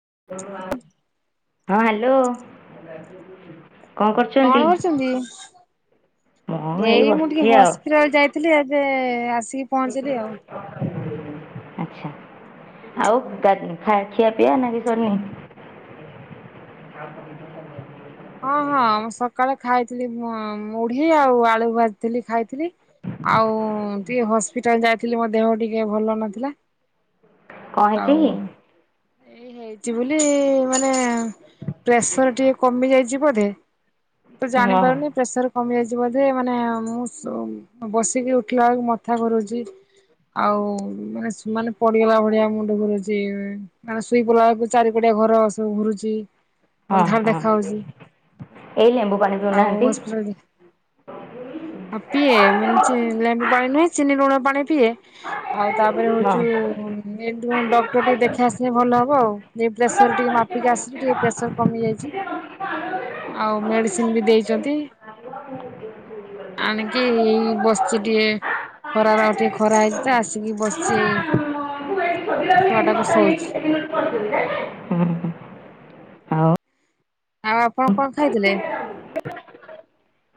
[inaudible] ହଁ ହ୍ୟାଲୋ। କଣ କରୁଛନ୍ତି? ମୁଁ ଏଇ ମୁଁ ଟିକେ ବସିଛି ଆଉ ହସ୍ପିଟାଲ ଯାଇ ଥିଲି ଏବେ ଆସିକି ପହଞ୍ଚିଲି ଆଉ। ଆଛା। ଆଉ ଖିଆ ପିଆ ନା କିଛି ସରିନି? [unintelligible] ହଁ ହଁ ମୁଁ ସକାଳେ ଖାଇଥିଲି ମୁଢି ଆଉ ଆଳୁ ଭାଜିଥିଲି ଖାଇଥିଲି। ଆଉ ଟିକେ ହସ୍ପିଟାଲ ଯାଇଥିଲି ମୋ ଦେହ ଟିକେ ଭଲ ନଥିଲା। କ'ଣ ହେଇଛି ଆଉ କି ଏଇ ହେଇଛି ବୋଲି ମାନେ ପ୍ରେସର ଟିକେ କମି ଯାଇଛି ବୋଧେ ତ ହଁ ଜାଣିପାରୁନି ପ୍ରେସର କମିଯାଇଛି ବୋଧେ ମାନେ ମୁଁ ବସିକି ଉଠିଲା ବେଳକୁ ମଥା ଘୁରୁଛି। ଆଉ ମାନେ ମାନେ ପଡିଗଲା ଭଳିଆ ମୁଁ ମୁଣ୍ଡ ଘୁରୁଚି। ମାନେ ଶୋଇ ପଡିଲା ବେଳକୁ ଚାରି ପଟିଆ ଘର ସବୁ ଘୁରୁଚି। ହଁ ଅନ୍ଧାର ହଁ ଦେଖା ଯାଉଚି। ଏଇ ଲେମ୍ବୁ ପାଣି ଆଉ ପିଉନାହାନ୍ତି ହସ୍ପିଟାଲ ଆଉ ପିଏ ମାନେ ଲେମ୍ବୁ ପାଣି ନୁହେଁ ଚିନି ଲୁଣ ପାଣି ପିଏ। ଆଉ ତାପରେ ହଉଚୁ ଏ ଡକ୍ଟର ଟିକେ ହଁ ଦେଖେଇ ଆସିଲେ ଭଲ ହବ ଆଉ। ଏଇ ଅଲଗା ପ୍ରେସର କାହା ଟିକେ କରିଚେ ନାଇଁ ମାପିକା ଆସିଲେ ଟିକେ ପ୍ରେସର କମି ଯାଇଚି। ନିଜେ ବଞ୍ଚିକି କଣ ଆମେ ରହିବା ଆଉ ଭଲ ସେ ମେଡିସିନ ଜାଣି ବି ପାରୁଛି ଦେଇଛନ୍ତି। [unintelligible] ଆଣିକି ଏଇ ବସିଛି ଟିକେ। ଖରାରେ ଆଉ ଟିକେ ଖରା ହେଇଛି ତ ଆସିକି ବସିଚି। [unintelligible] ଆଉ ଆଉ ଆପଣ କଣ ଖାଇଥିଲେ?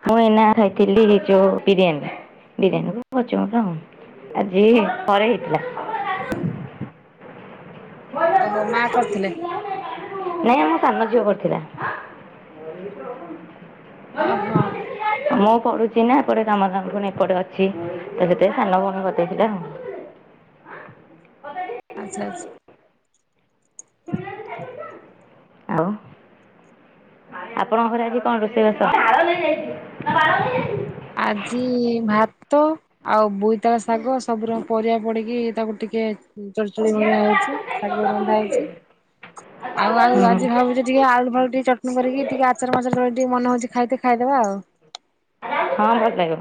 ମୁଁ ଏଇନା ଖାଇଥିଲି ଏଇ ଯୋଉ ବିରିୟାନୀ। ବିରିୟାନୀ କୁ କଚୁମ୍ୱର ଆଉ। ଆଜି ଏଇ ପରେ ହେଇଥିଲା। [unintelligible] ଓହୋ ମା କରିଥିଲେ। ନାଇଁ ଆମ ସାନ ଝିଅ କରିଥିଲା। ଓହୋ [unintelligible] ମୁଁ ପଢୁଚି। ସିନା ଏପଟେ କାମ ଦାମ ପୁଣି ଏପଟେ ଅଛି। ତ ସେଥିପାଇଁ ସାନ ଭଉଣୀ କରିଦେଇଥିଲା ଆଉ। ଆଚ୍ଛା ଆଚ୍ଛା। ଆଉ ଆପଣଙ୍କ ଘରେ ଆଜି କଣ ରୋଷେଇବାସ? ଆଜି ଭାତ ଆଉ ବୋଇତାଳ ଶାଗ ସବୁ ରକ ପରିବା ପଡିକି ତାକୁ ଟିକେ ଚଡଚଡ଼ି ଭଳିଆ ହେଇଛି ଶାଗ ରନ୍ଧା ହେଇଚି। ଆଉ ଆଉ ଆଜି ଭାବୁଚି ଟିକେ ଆଳୁ ଫାଳୁ ଟିକେ ଚଟଣି କରିକି ଟିକେ ଆଚାର ମାଚାର ଟିକେ ମନ ହଉଚି ଖାଇତେ ଖାଇଦେବା ଆଉ। ହଁ ଭଲ ଲାଗିବ।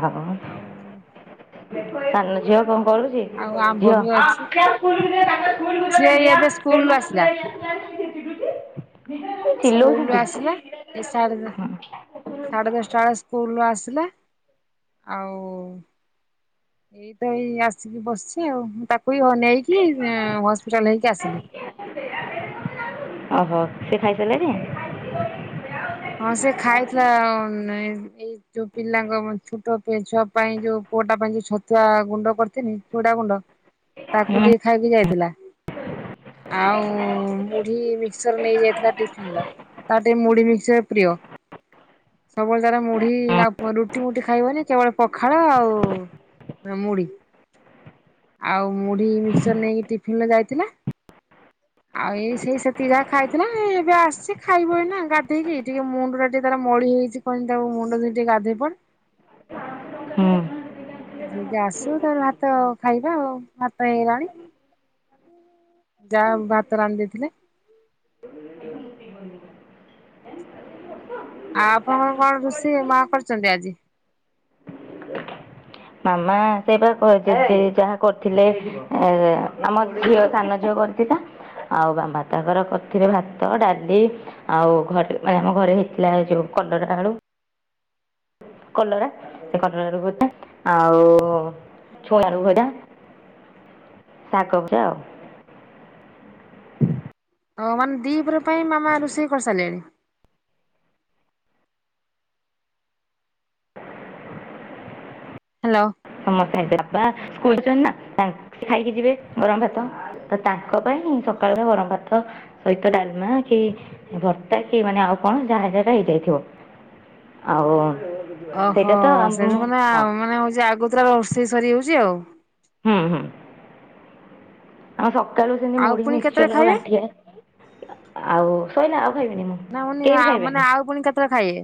[inaudible] ଆଉ ସାନ ଝିଅ କଣ କରୁଚି? ଆଉ ଆମ୍ବ ଝିଅ। ବି ଅଛି କିଏ ଝିଅ ଏବେ ସ୍କୁଲରୁ ଆସିଲା। ଚିଲଉଛନ୍ତି? ଏଇ ସାଢ଼େ ରେ ସାଢ଼େ ଦଶଟା ବେଳେ ସ୍କୁଲରୁୁ ଆସିଲା। ଆଉ ଏଇ ତ ଏଇ ଆସିକି ବସିଚି ଆଉ। ମୁଁ ତାକୁ ହିଁ ଅନେଇକି ହସ୍ପିଟାଲ ହେଇକି ଆସିଲି। ଓହୋ। ସେ ଖାଇସାରିଲାଣି? ହଁ ସେ ଖାଇଥିଲା। ନେ ଏଇ ଯୋଉ ପିଲାଙ୍କ ମ ଛୋଟ ଛୁଆ ପାଇଁ ଯୋଉ ପୁଅଟା ପାଇଁ ଯୋଉ ଛତୁଆ ଗୁଣ୍ଡ କରିଥିନି ଛୁଡା ଗୁଣ୍ଡ ତାକୁ ହୁଁ ଟିକେ ଖାଇକି ଯାଇଥିଲା। ଆଉ ମୁ ଢି ମିକ୍ସଚର ନେଇ ଯାଇଥିଲା ଟିଫନ୍ ର ତାର ଟିକେ ମୁଢି ମିକ୍ସଚର ପ୍ରିୟ। ସବୁବେଳେ ତାର ମୁଢି ଆଉ ପ ରୁଟି ମୁୁଟି ଖାଇବନି କେବଳ ପଖାଳ ଆଉ ମୁଢି ଆଉ ମୁଢି ମିକସର ନେଇକି ଟିଫିନରେ ଯାଇଥିଲା। ଆଉ ଏଇ ସେଇ ସେତିିକି ଯାହା ଖାଇଥିଲା ଏବେ ଆସଚି ଖାଇବ ଏଇନା ଗାଧେଇକି ଟିକେ ମୁଣ୍ଡ ଟା ଟିକେ ତାର ମଳି ହେଇଚି। କହିଲି ତାକୁ ମୁଣ୍ଡ ଧୋଇକି ଟିକେ ଗାଧେଇ ପଡ୍। ହୁଁ ନିଜେ ଆସୁ ତାର ଭାତ ଖାଇବା ଆଉ ଭାତ ହେଇଗଲାଣି। ଯାହା ହଉ ଭାତ ରାନ୍ଧି ଦେଇଥିଲି। ଆଉ ଆପଣଙ୍କର କଣ ରୁଷେଇ ମା କରିଛନ୍ତି ଆଜି? ମାମା ସେ ତ ଶୋଇଛନ୍ତି ଯାହା କରିଥିଲେ ଏ ଆମ ଝିଅ ସାନ ଝିଅ କରିଥିଲା। ଆଉ ବା-ଭାତ କର କରିଥିଲେ ଭାତ ଡାଲି। ଆଉ ଘରେ ମାନେ ଆମ ଘରେ ହେଇଥିଲା ଏଇ ଯୋଉ କଲରା ଆଳୁ। କଲରା ସେ କଲରା ର ଭୋତା। ଆଉ ଛୁଇଁ ଆଳୁ ଭଜା ଶାଗଭଜା ଆଉ। ଓ ମାନେ ଦିପର ପାଇଁ ମାମା ରୁଷେଇ କରିସାରିଲେଣି। ହ୍ୟାଲୋ। ସମସ୍ତେ ଏବେ ବାପା ଶୋଇଛନ୍ତି ନା ତାଙ୍କେ ଖାଇକି ଯିବେ ଗରମ ଭାତ। ତ ତାଙ୍କ ପାଇଁ ମୁଁ ସକାଳର ଗରମ ଭାତ ସହିତ ଡାଲମା କି ଭର୍ତା କି ମାନେ ଆଉ କଣ ଯାହା ଯେଗା ହେଇଯାଇଥିବ। ଆଉ। ଓହୋ ସେଇଟା ତ ଆମ ସେଠୁ ମାନେ ହଁ ଆଉ ମାନେ ହଉଚି ଆଗତୁରା ରୋଷେଇ ସରିଯାଉଚି ଆଉ। ହୁଁ ହୁଁ ଆମ ସକାଳୁ ସେମିତି ଆଉ ମୁଢି ପୁଣି କେତେବେଳେ ମିକ୍ସଚରର ଖାଇବେ ଗାଣ୍ଠିଆ। ଆଉ ସଇଲା ଆଉ ଖାଇବିନି ମୁଁ କେହି ବି ଖାଇବେନି। ପୁରା ଖାଇଏ।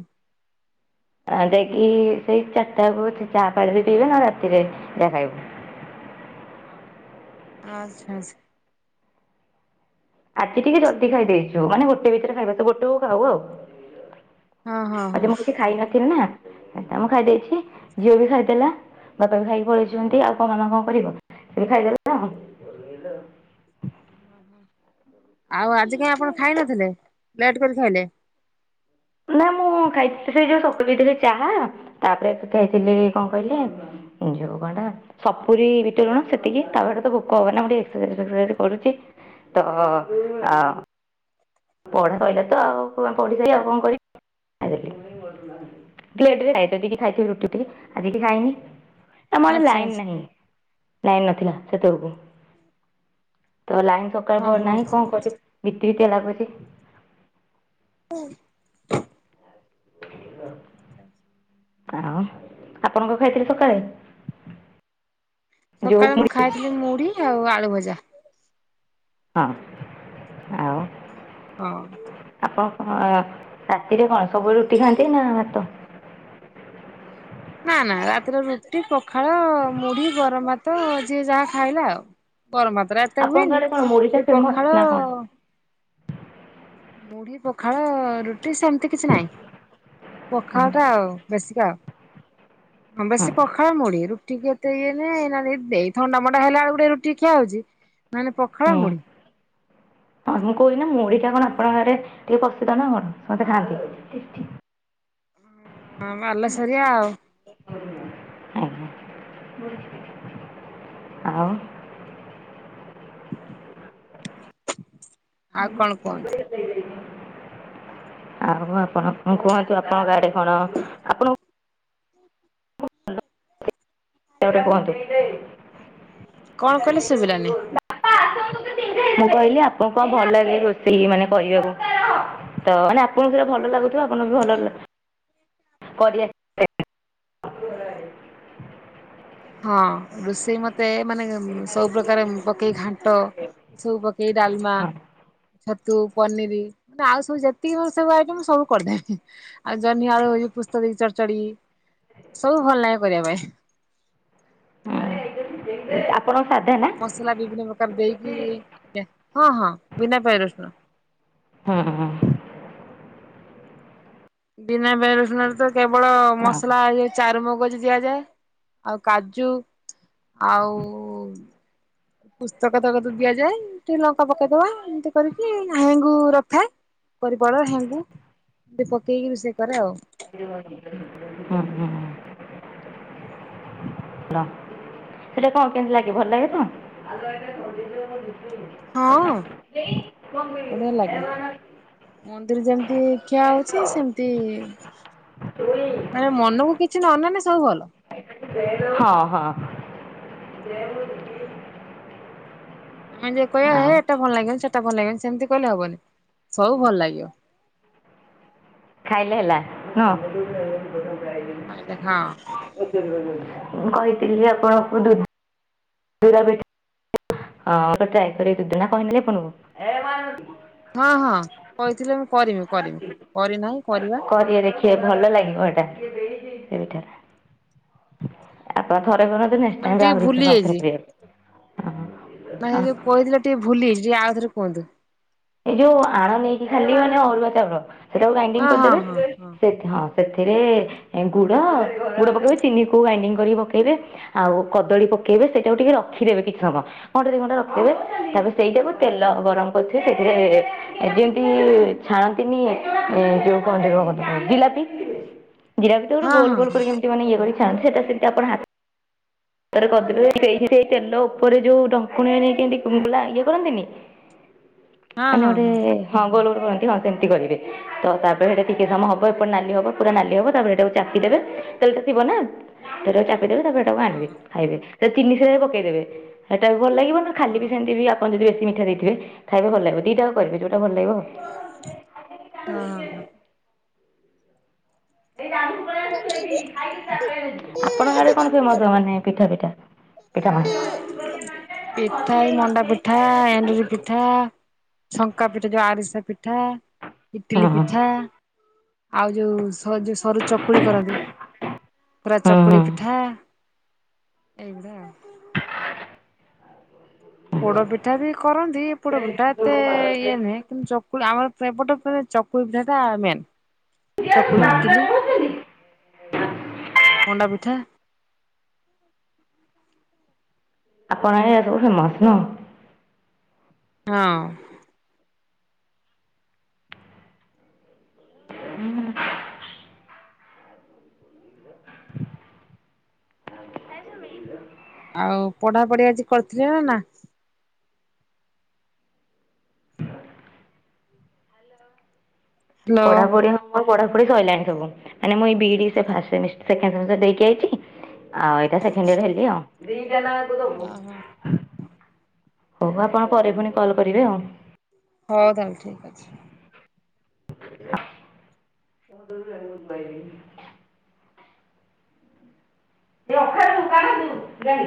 ଆଉ ଯାଇକି ସେଇ ଚାରିଟାକୁ ଚାହା ପାଣି ବି ପିଇବେ ନା ରାତିରେ ଯାହା ଖାଇବେ। ଆଚ୍ଛା ଛା। ଆଜି ଟିକେ ଜଲ୍ଦି ଖାଇ ଦେଇଚୁ। ମାନେ ଗୋଟେ ଭିତରେ ଖାଇବା ତ ଗୋଟେ ବେଉକୁ ଖାଉ ଆଉ। ହଁ ହଁ ହଁ ଆଜି ମୁଁ କିଛି ଖାଇନଥିଲି ନା ଏଥିପାଇଁ ମୁଁ ଖାଇ ଦେଇଛି ଆଚ୍ଛା ଝିଅ ବି ଖାଇଦେଲା। ବାପା ବି ଖାଇକି ପଳେଇଛନ୍ତି ଆଉ କଣ ଆମ କଣ କରିବ କି ଆଉରି ଏଇ ଖାଇଦଲେ ଯାହଉ। ଆଉ ଆଜି କାଇଁ ଆପଣ ଖାଇନଥିଲେ? ଲେଟ୍ କରି ଖାଇଲେ। ନା ମୁଁ ଖାଇଥିଲି ସେଇ ଯୋଉ [unintelligible] ଚାହା ତାପରେ ସେ ଖାଇଥିଲି କଣ କହିଲେ ଯଉ ଗଡା। ସପୁରୀ ବିଟଲୁଣ ସେତିକି ତାପରେ ତ ଭୋକ ହବନି ନା। ମୁଁ ଟିକେ ଏକ୍ସରସାଇଜ୍ କରୁଚି। ତ ଆ ପଢା କହିଲେ ତ ଆଉ ପଢି ସାରି ଆଉ କଣ କରିବି? ଖାଇଦେଲି। ଲେଟ୍ ରେ ଖାଇଚି ଜିଦି ଖାଇଥିବି ରୁଟି ଟିକେ ଆଉ କିଛି ଖାଇନି। ଆମ ଆଡେ ଆଚ୍ଛା ଲାଇନ ଆଚ୍ଛା ନାହିଁ। ଲାଇନ ନଥିଲା ସେତେବେଳକୁ ତ ଲାଇନ୍ ସ ହଁ [unintelligible] ହଁ ନାହିଁ କଣ କରିବି ବିତି ବିତିଆ ଲାଗୁଚି। ଆଉ ଆପଣ କ ଖାଇଥିଲେ ସକାଳେ? ଯୋଉ ସକାଳେ ମୁଁ ମୁଢ଼ି ଖାଇଥିଲି ମୁଢି ଆଉ ଆଳୁ ଭଜା। ହଁ ଆଉ। ହଁ। ଆପଣ କଣ ରାତିରେ କଣ ସବୁବେଳେ ରୁଟି ଖାଆନ୍ତି ନା ଭାତ? ନା ନା ରାତିରେ ରୁଟି, ପଖାଳ, ମୁଢି, ଗରମ ଭାତ ଯିଏ ଯାହା ଖାଇଲା ଆଉ। ଗରମ୍ ଭାତ ଟା ଏତେ ଆପଣଙ୍କ ହୁଏନି ଆଡେ କଣ ମୁଢ଼ି ଟା ସେ ଫେମସ୍ ପଖାଳ ନା କଣ? ମୁଢି, ପଖାଳ, ରୁଟି ସେମତି କିଛି ନାହିଁ ହଁ ପଖାଳ ଟା ଆଉ। ବେଶିକା ଆଉ। ହଁ ବେଶୀ ପଖାଳ, ମୁଢି, ରୁଟି କିଏ ତେ ଇଏ ନେ ନାଇ ନ ଦେଇ ଥଣ୍ଡା ମଣ୍ଡା ହେଲା ବେଳେ କୁ ଗୋଟେ ରୁଟି ଖିଆ ହଉଛି ନହେଲେ ପଖାଳ, ହୁଁ ମୁଡି। ହଁ ମୁଁ କହୁଚି ନା ମୁଢି ଟା କଣ ଆପଣଙ୍କ ଆଡେ ଟିକେ ପ୍ରସିଦ୍ଧ ନା କଣ ସମସ୍ତେ ଖାଆନ୍ତି। ହଁ ବାଲେଶରିଆ ଆଉ। [unintelligible] ଆଉ ଆଉ କଣ କୁହନ୍ତୁ? ଆଉ ଆପଣ କଣ କୁହନ୍ତୁ ଆପଣଙ୍କ ଆଡେ କଣ ଆପଣ କଣ କହିଲେ ଶୁଭିଲାନି [unintelligible] ମୁଁ କହିଲି ଆପଣଙ୍କୁ କଣ ଭଲ ଲାଗେ ରୋଷେଇ ମାନେ କହିବାକୁ? ତ ମାନେ ଆପଣଙ୍କୁ ସେଟା ଭଲ ଲାଗୁଥିବ ଆପଣଙ୍କୁ ବି ଭଲ କରିଆ ହଁ ରୋଷେଇ ମତେ ମାନେ ସବୁ ପ୍ରକାର ପକେଇ ଘାଣ୍ଟ ସବୁ ପକେଇ ଡାଲମା ହଁ ଛତୁ, ପନିରି ତ ଆଉ ସବୁ ଯେତିକି ମୋର ସବୁ ଆଇଟମ୍ ସବୁ କରିଦେବି। ଆଉ ଜହ୍ନି ଆଳୁ ହଉ ପୁସ୍ତ ଦେଇ ଚଢଚଡି ସବୁ ଭଲ ଲାଗେ କରିବା ପାଇଁ। ଆପଣ ସାଧା ନା? ମସଲା ବିଭିନ୍ନ ପ୍ରକାର ଦେଇକି ଆଜ୍ଞା ହଁ ହଁ ବିନା ପିଆଜ ରଶୁଣ। ହଁ। ବିନା ପିଆଜ ରସୁଣ ରେ ତ କେବଳ ଆଉ ମସଲା ଚାରୁମଗଜ ଦିଆଯାଏ। ଆଉ କାଜୁ ଆଉ ପୁସ୍ତକ ତକ ଦିଆଯାଏ ଟିକେ ଲଙ୍କା ପକେଇଦବା ଏମିତି କରିକି ହେଙ୍ଗୁ ରଖ୍ ଥାଏ କରି ପାଉଡର୍, ହେଂଗୁ ପକେଇକି ରୋଷେଇ କରେ ଆଉ। [unintelligible] ସେଟା କଣ କେମିତି ଲାଗେ? ଭଲ ଲାଗେ ତ। [inaudible] ହଁ ବଢିଆ ଲାଗେ। ମନ୍ଦିର ଯେମିତି ଖିଆ ଅଉଛି ସେମିତି ମାନେ ମନକୁ କିଛି ନ ନେନେ ସବୁ ଭଲ। ହଁ ହଁ। ଆମେ ଯୋଉ କ ଆଉ। ସେଟା ଭଲ ଲାଗିବନି ସେଟା ଭଲ ଲାଗିବନି ସେମିତି କହିଲେ ହବନି ସବୁ ଭଲ ଲାଗିବ। ଖାଇଲେ ହେଲା ନୁହଁ। ତାଲେ ହଁ ମୁଁ କହିଥିଲି ଯେ ଆପଣଙ୍କୁ ଦୁ [unintelligible] ହଁ ହଁ କହିଥିଲେ ମୁ କରିମି କରିମି କରିନାହିଁ କରିବା। କରି ଆ ଦେଖି ଭଲ ଲାଗିବ ଏଇଟା ସେଇଟା। ମାନେ ଟିକେ ଭୁଲି [unintelligible] ମ ଯୋଉ କହିଥିଲେ ଟିକେ ଭୁଲି ଯାଇଚି ଟିକେ ଆଉ ଥରେ କୁହନ୍ତୁ। ଏଇ ଯୋଉ ଆଣ ନେଇକି ଖାଲି ମାନେ ଅରୁଆ ଚାଉଳ ସେଟାକୁ ଗ୍ରାଇଣ୍ଡିଙ୍ଗ ହଁ ହଁ କରିଦେବେ। ହଁ ହଁ ହଁ ସେଥିରେ ଗୁଡ ଗୁଡ ପକେଇବେ ଚିନି କୁ ଗାଇଡିଙ୍ଗ କରିକି ପକେଇବେ। ଆଉ କଦଳୀ ପକେଇବେ ସେଇଟାକୁ ଟିକେ ରଖିଦେବେ କିଛି ସମୟ। ଘଣ୍ଟେ ଦି ଘଣ୍ଟା ରଖିଦେବେ ତାପରେ ସେଇଟାକୁ ତେଲ ଗରମ କରଥିବେ ସେ ଏ ଯେମିତି ଛାଣନ୍ତିନି ଯୋଉ କଣ କହନ୍ତି କେଉ କଣ ଜିଲାପି। [inaudible] ଜିରା ଭିତ ହଁ ଗୋଲ ହଁ। ଗୋଲ କରି କେମତି ମାନେ ଇଏ କରି ଖାନ୍ତି ସେଟା ସେମତି ଆପଣ ତରେ କରିଦେ ସେ ତେଲ ଉପରେ ଯୋଉ ଢଙ୍କୁଣି ନେଇ କେମ ତୁ ଲା ଇଏ କରନ୍ତିନି [inaudible] ମାନେ ଗୋଟେ ହଁ ଗୋଲ ଗୋଲ କରନ୍ତି ହଁ ସେମିତି କରିବେ ତ ତାପରେ ସେଇଟା ଟିକେ ସମୟ ହବ ଏପଟେ ନାଲି ହବ ପୁରା ନାଲି ହବ ତାପରେ ସେଟାକୁ ଚାପିଦେବେ ତେଲଟା ଥିବ ନା ତେଲରେ ଚାପିଦେବେ ତାପରେ ତାକୁ ଆଣିବେ ହଁ ଖାଇବେ ତେ ତିନି ସେବେ ପକେଇଦେବେ ହେଟା ବି ଭଲ ଲାଗିବ ଖାଲି ହଁ ବି ସେମିତି ବି ଆ ଆପଣ ଯଦି ବେଶୀ ମିଠା ଦେଇଥିବେ ଖାଇବେ ଭଲ ଲାଗିବ ଦିଇଟା ଆକ କରିବେ ଯୋଉଟା ଭଲ ଲାଗିବ ଆ ହଁ ହଁ ହଁ। [unintelligible] ଆପଣଙ୍କ ଆଡେ କଣ ଫେମସ ମାନେ ପିଠାଫିଠା? ପିଠା ଏଇ ମଣ୍ଡା ପିଠା ଏଣ୍ଡରି ପିଠା। ଠା ଶଙ୍କା ପିଠ୍ ଯୋଉ ଆରିସା ପିଠା, ହଁ ଇଟିଲି ପିଠା। ଆଉ ଯୋଉ ସ ଯୋଉ ସରୁଚକୁଳି କରନ୍ତି ପୁରା ହଁ ଚକୁଳିପିଠା। ଏଇ ଭଳିଆ ପୋଡପିଠା ବି କରନ୍ତି ପୋଡପିଠା ଏତେ ଇଏ ନୁହେଁ। କିନ୍ତୁ ଚକୁଳି ଆମର ଏପ ଏପଟ ପୁରା ଚକୁଳିପିଠାଟା ମେନ୍। ଚକୁଳି, ଇଟିଲି, ହୁଁ ହୁଁ। ମଣ୍ଡା ପିଠା। ଆପଣ ଆଡେ ଏହା ସବୁ ଫେମସ ନୁହଁ। ହଁ। ହୁଁ। ଆଉ ପଢାପଢି ଆଜି କରିଥିଲେ ନା ନା? ହ୍ୟାଲୋ ପଢାପଢି ହୋଉ ମୋର ପଢ଼ାପଢି ସଇଲାଣି ସବୁ ମାନେ ମୁଁ ଏଇ ବି ଇ ଡି ସେ ଫାର୍ଷ୍ଟ ସେମିଷ୍ଟ ସେକେଣ୍ଡ୍ ସେମିଷ୍ଟାର୍ ଦେଇକି ଆଇଚି। ଆଉ ଏଇଟା ସେଖେଣ୍ଡ୍ ଇଅର ହେଲି ଆଉ। ଓହୋ ହୋଉ ଆପଣ ପରେ ଫୁଣି କଲ୍ କରିବେ ଆଉ। ହଉ ତାହେଲେ ଠିକଅଛି। ଆ [unintelligible] ରଖା ଦୁ କଣ ତୁ ଗା-